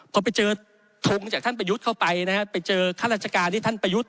พอไปเจอทงจากท่านประยุทธ์เข้าไปนะฮะไปเจอข้าราชการที่ท่านประยุทธ์